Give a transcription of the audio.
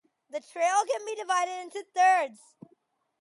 The trail can be divided into thirds.